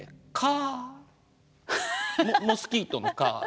モスキートの蚊。